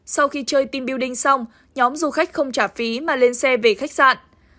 sau khi chơi team building xong nhóm du khách không trả phí mà lên xe về khách sạn